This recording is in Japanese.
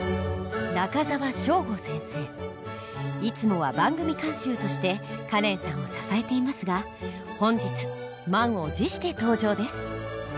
いつもは番組監修としてカレンさんを支えていますが本日満を持して登場です。